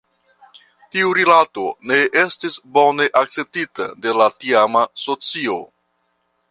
Tiu rilato ne estis bone akceptita de la tiama socio.